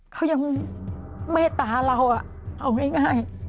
เขายังเมตตาเราเอาง่าย